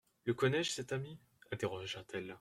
Le connais-je, cet ami ? interrogea-t-elle.